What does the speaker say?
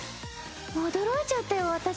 驚いちゃったよ私。